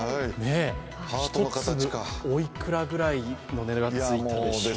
一粒おいくらぐらいの値段がついたでしょうか。